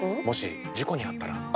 もし事故にあったら？